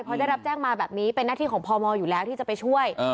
พอได้รับแจ้งมาแบบนี้เป็นหน้าที่ของพมอยู่แล้วที่จะไปช่วย